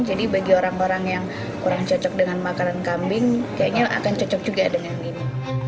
jadi bagi orang orang yang kurang cocok dengan makanan kambing kayaknya akan cocok juga dengan ini